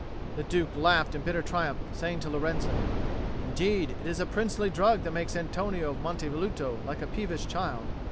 The Duke laughed in bitter triumph, saying to Lorenzo, "Indeed it is a princely drug that makes Antonio of Monte Velluto like a peevish child!"